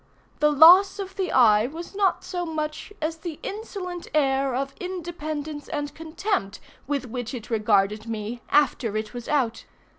The loss of the eye was not so much as the insolent air of independence and contempt with which it regarded me after it was out.